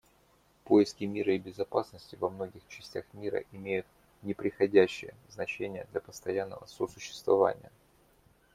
Поиски мира и безопасности во многих частях мира имеют непреходящее значение для постоянного сосуществования.